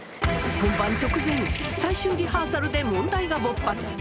本番直前、最終リハーサルで問題が勃発。